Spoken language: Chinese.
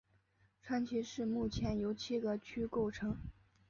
川崎市目前由七个区构成。